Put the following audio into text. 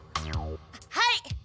はい！